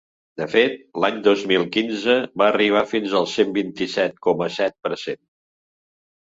De fet, l’any dos mil quinze, va arribar fins al cent vint-i-set coma set per cent.